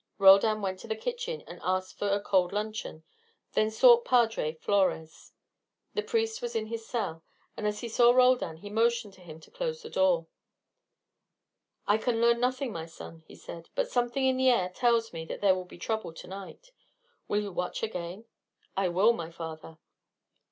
Roldan went to the kitchen and asked for a cold luncheon, then sought Padre Flores. The priest was in his cell, and as he saw Roldan he motioned to him to close the door. "I can learn nothing, my son," he said; "but something in the air tells me that there will be trouble to night. Will you watch again?" "I will, my father."